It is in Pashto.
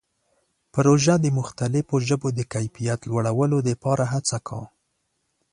پروژه د مختلفو ژبو د کیفیت لوړولو لپاره هڅه کوي.